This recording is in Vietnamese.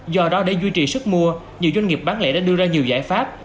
do đó để duy trì sức mua nhiều doanh nghiệp bán lẻ đã đưa ra nhiều giải pháp